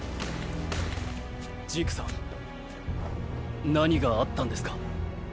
ジークさん何があったんですか？